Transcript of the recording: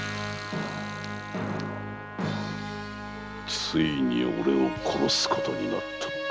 ついに俺を殺すことになったのか。